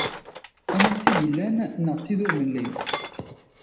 Ama d tid yellan, neɣ d tid ur nelli.